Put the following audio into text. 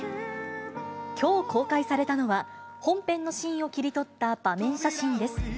きょう、公開されたのは、本編のシーンを切り取った場面写真です。